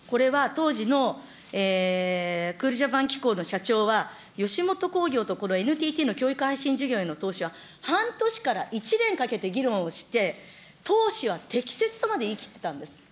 これは当時のクールジャパン機構の社長は、吉本興業とこのＮＴＴの教育配信事業への投資は半年から１年かけて議論をして、投資は適切とまで言い切ってたんです。